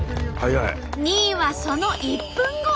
２位はその１分後。